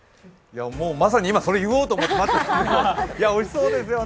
もうまさに今、それを言おうと思っていたんですよ。